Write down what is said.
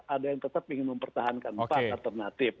ada yang tetap ingin mempertahankan empat alternatif